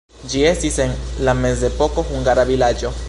Ĝi estis en la mezepoko hungara vilaĝo.